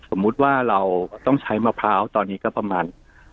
สมมุติว่าเราต้องใช้มะพร้าวตอนนี้ก็ประมาณ